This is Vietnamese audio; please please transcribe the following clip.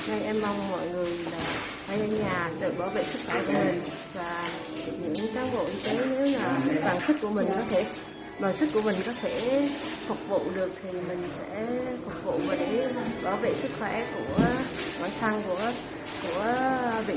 em mong mọi người ở nhà được bảo vệ sức khỏe và những cán bộ y tế nếu là bản sức của mình có thể phục vụ được thì mình sẽ phục vụ bảo vệ sức khỏe của bản thân của bệnh nhân và cũng như em mong là thành phố em mau hết kịp để mọi người được về với gia đình